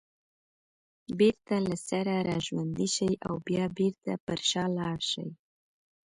بېرته له سره راژوندي شي او بیا بېرته پر شا لاړ شي